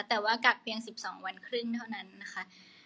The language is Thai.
แต่ว่ากักเพียง๑๒วันครึ่งเท่านั้นนะคะ